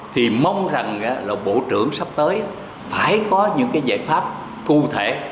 thì mong rằng là bộ trưởng sắp tới phải có những cái giải pháp cụ thể